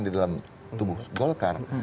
di dalam tubuh golkar